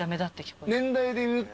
年代でいうと。